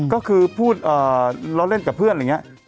ก็คือพูดล้อเล่นกับเพื่อนอะไรอย่างนี้